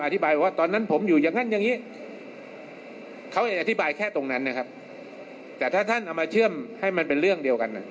ถ้าท่านเอามาเชื่อมให้มันเป็นเรื่องเดียวกัน